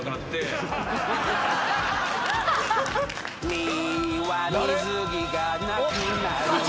「ミは水着がなくなるよ」